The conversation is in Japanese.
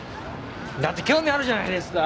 だって興味あるじゃないですか。